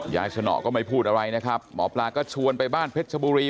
สนอก็ไม่พูดอะไรนะครับหมอปลาก็ชวนไปบ้านเพชรชบุรี